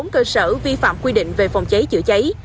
một mươi bốn cơ sở vi phạm quy định về phòng cháy chữa cháy